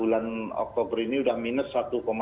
bulan oktober ini sudah minus satu